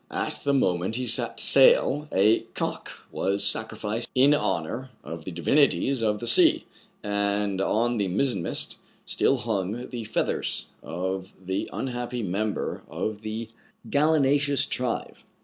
At the moment he set sail, a cock was sacrificed in honor of the divinities of the sea, and on the mizzen mast still hung the feathers of the* unhappy member of the gallinaceous tribe.